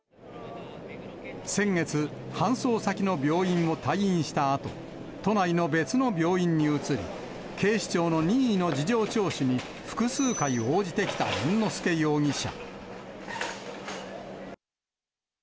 先月、搬送先の病院を退院したあと、都内の別の病院に移り、警視庁の任意の事情聴取に複数回応じてきた猿之助容疑者。